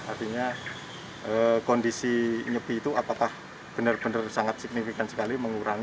artinya kondisi nyepi itu apakah benar benar sangat signifikan sekali